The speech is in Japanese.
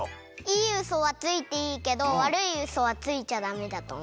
いいウソはついていいけどわるいウソはついちゃダメだとおもう。